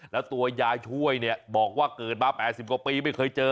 แล้วตัวยายช่วยเนี่ยบอกว่าเกิดมา๘๐กว่าปีไม่เคยเจอ